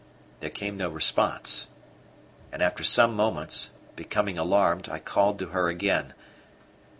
There came no response, and after some moments, becoming alarmed, I called to her again.